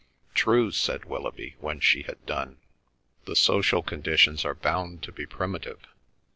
"True," said Willoughby when she had done. "The social conditions are bound to be primitive.